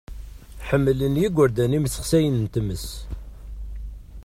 Ḥemmlen yigerdan imsexsayen n tmes.